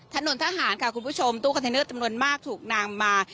ถนนทหารค่ะคุณผู้ชมตู้คอนเทนเนอร์จำนวนมากถูกนำมา